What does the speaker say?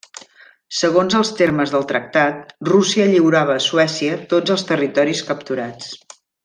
Segons els termes del tractat, Rússia lliurava a Suècia tots els territoris capturats.